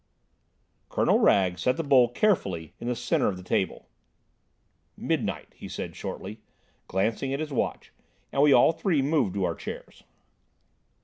Colonel Wragge set the bowl carefully in the centre of the table. "Midnight," he said shortly, glancing at his watch, and we all three moved to our chairs.